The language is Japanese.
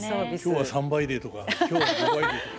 今日は３倍デーとか今日は５倍デーとか。